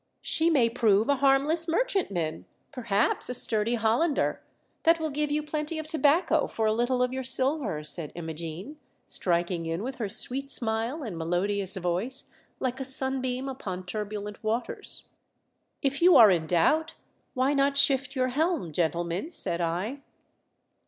WE SIGHT A SHIP. 235 *' She may prove a harmless merchantman — perhaps a sturdy Hollander — that will give you plenty of tobacco for a little of your silver," said Imogene, striking in with her sweet smile, and melodious voice, like a sun beam upon turbulent waters. "If you are in doubt why not shift your helm, gentlemen ?" said I.